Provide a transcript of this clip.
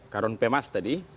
karun pemas tadi